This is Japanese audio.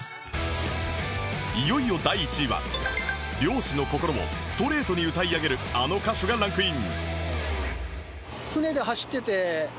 いよいよ第１位は漁師の心をストレートに歌い上げるあの歌手がランクイン